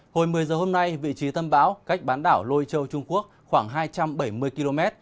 hồi một mươi giờ hôm nay vị trí tâm bão cách bán đảo lôi châu trung quốc khoảng hai trăm bảy mươi km